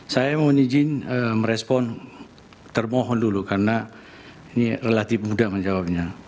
saya mohon izin merespon termohon dulu karena ini relatif mudah menjawabnya